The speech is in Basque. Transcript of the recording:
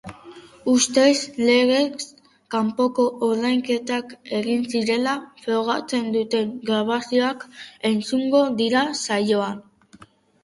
Ustez legez kanpoko ordainketak egin zirela frogatzen duten grabazioak entzungo dira saioan.